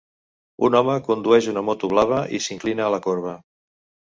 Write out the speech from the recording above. Un home condueix una moto blava i s'inclina a la corba.